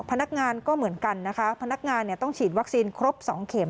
พนักงานก็เหมือนกันนะคะพนักงานเนี่ยต้องฉีดวัคซีนครบสองเข็ม